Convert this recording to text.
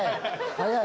早い！